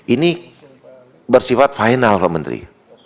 ini bersifat final pak menteri